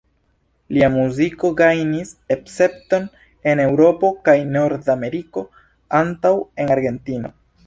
Lia muziko gajnis akcepton en Eŭropo kaj Nord-Ameriko antaŭ en Argentino.